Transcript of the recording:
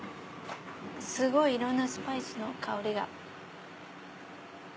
すごいいろんなスパイスの香りが。